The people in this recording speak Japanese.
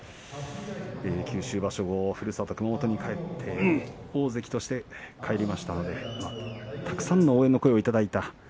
九州場所後ふるさと、熊本に帰って大関として帰りましたのでたくさんの応援の声をいただいた。